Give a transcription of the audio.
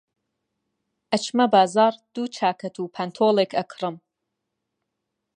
ئەچمە بازاڕ دوو چاکەت و پانتۆڵێک ئەکڕم.